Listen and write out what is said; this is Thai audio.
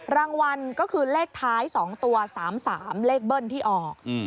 รางวัลก็คือเลขท้าย๒ตัว๓๓เลขเบิ้ลที่ออก